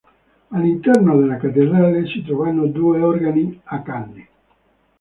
All'interno della cattedrale si trovano due organi a canne.